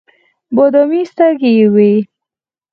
بادامي سترګې یې وې.